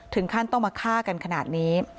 ถึงขั้นต้องมาฆ่ากันขนาดนี้